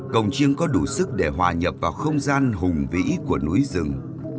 cồng chiêng có đủ sức để hòa nhập vào không gian hùng vĩ của núi rừng